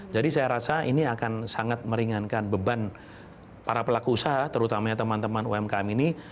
jadi saya rasa ini akan sangat meringankan beban para pelaku usaha terutama teman teman umkm ini